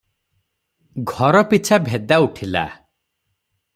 ଘରପିଛା ଭେଦା ଉଠିଲା ।